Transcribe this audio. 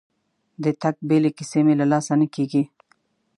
د تګ بیلې کیسې مې له لاسه نه کېږي.